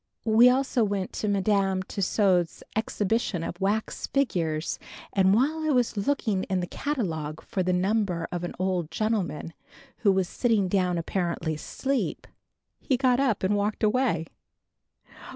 We also went to Madame Tussaud's exhibition of wax figures and while I was looking in the catalogue for the number of an old gentleman who was sitting down apparently asleep, he got up and walked away!